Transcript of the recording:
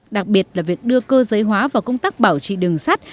đặc biệt là việc đưa cơ giới hóa vào công tác bảo trị đường sắt